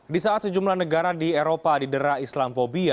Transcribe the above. di saat sejumlah negara di eropa didera islamfobia